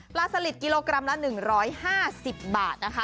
สลิดกิโลกรัมละ๑๕๐บาทนะคะ